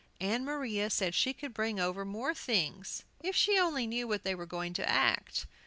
Ann Maria said she could bring over more things if she only knew what they were going to act.